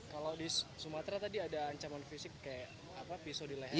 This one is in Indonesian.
kalau di sumatera tadi ada ancaman fisik kayak pisau di leher